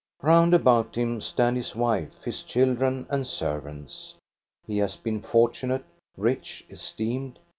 Round about him stand his wife, his children, and servants. He has been fortunate, rich, esteemed.